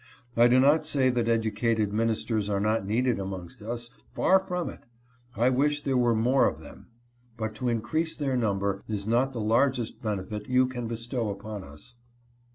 I do not say that educated ministers are not needed amongst us, far from it! I wish there were more of them! but to increase their number is not the largest benefit you can bestow upon us.